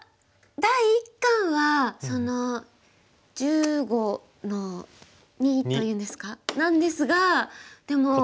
第一感はその１５の二というんですかなんですがでも。